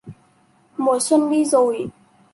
Mùa xuân đi rồi